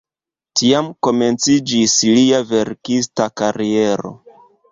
Tiam komenciĝis lia verkista kariero.